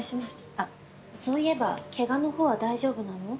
あっそういえばケガの方は大丈夫なの？